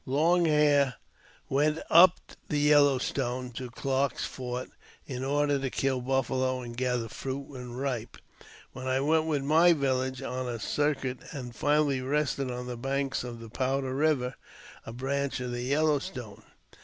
Long Hair went ug the Yellow Stone, to Clarke's Fort, in order to kill buffalo anc gather fruit when ripe, while I went with my village on a^ circuit, and finally rested on the banks of Powder Kiver, a branch of the Yellow Stone.